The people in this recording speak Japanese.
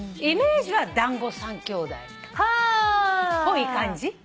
イメージは『だんご３兄弟』っぽい感じ？